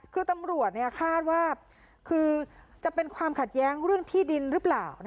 คือตำรวจคาดว่าคือจะเป็นความขัดแย้งเรื่องที่ดินหรือเปล่า